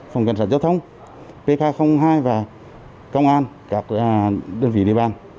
phòng cảnh sát giao thông pk hai và công an các đơn vị địa bàn